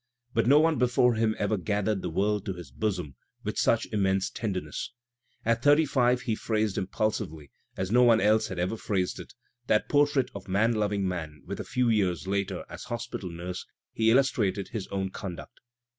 But no one before him ever gathered the world to his bosom with such inunense tenderness. At thirty five he phrased impulsively, as no one else has ever phrased it, that portrait of man loving man which a few years later as hospital nurse he illustrated in his own conduct.